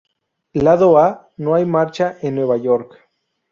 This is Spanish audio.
Lado A: ""No hay marcha en Nueva York"".